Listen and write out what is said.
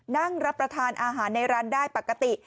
นั่งรับประทานอาหารในร้านได้ปกติ